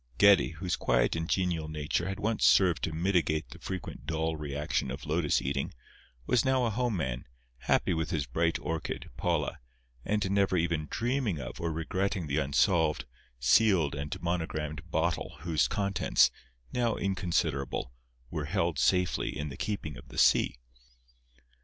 Geddie, whose quiet and genial nature had once served to mitigate the frequent dull reaction of lotus eating, was now a home man, happy with his bright orchid, Paula, and never even dreaming of or regretting the unsolved, sealed and monogramed Bottle whose contents, now inconsiderable, were held safely in the keeping of the sea.